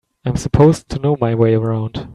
I'm supposed to know my way around.